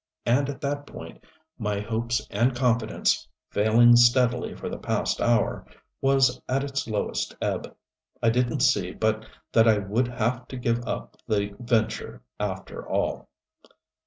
And at that point my hopes and confidence, falling steadily for the past hour, was at its lowest ebb. I didn't see but that I would have to give up the venture after all.